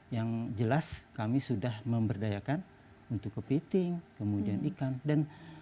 yang jelas kami sudah memberdayakan untuk kepiting kemudian ikan dan